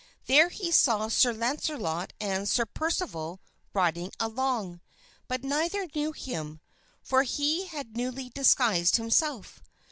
There he saw Sir Launcelot and Sir Percival riding along, but neither knew him, for he had newly disguised himself.